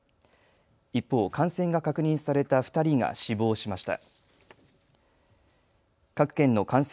一方、感染が確認された２人が死亡しました。